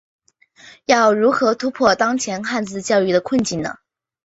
要如何突破当前汉字教育的困境呢？